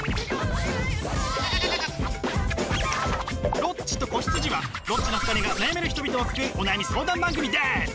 「ロッチと子羊」はロッチの２人が悩める人々を救うお悩み相談番組です！